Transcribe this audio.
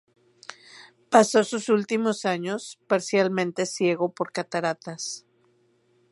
Pasó sus últimos años, parcialmente ciego por cataratas.